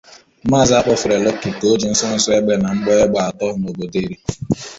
Maazị Akpofure Lucky ka o ji nsụnsụ egbe na mgbọ egbe atọ n'obodo Eri